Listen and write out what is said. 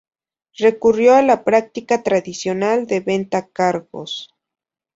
Recurrió a la práctica tradicional de venta cargos.